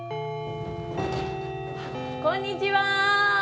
こんにちは！